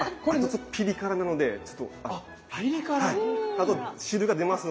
あと汁が出ますので。